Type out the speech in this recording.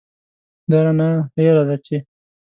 دا رانه هېره ده چې.